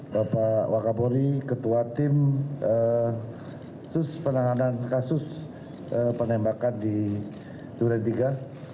bapak kabori ketua tim sus penanganan kasus penembakan di jurentiga